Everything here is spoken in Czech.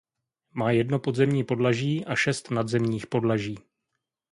Má jedno podzemní podlaží a šest nadzemních podlaží.